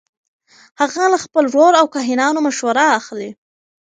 هغه له خپل ورور او کاهنانو مشوره اخلي.